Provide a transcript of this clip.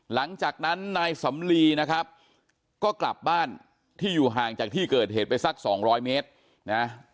หลังจากนั้นนายสำลีนะครับก็กลับบ้านที่อยู่ห่างจากที่เกิดเหตุไปสักสองร้อยเมตรนะ